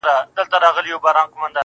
د سترگو هره ائينه کي مي ستا نوم ليکلی.